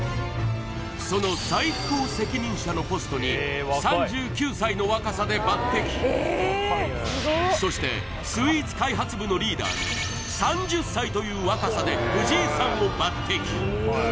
その最高責任者のポストに３９歳の若さで抜擢そしてスイーツ開発部のリーダーに３０歳という若さで藤井さんを抜擢